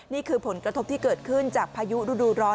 นี่คือผลกระทบที่เกิดขึ้นจากพายุฤดูร้อน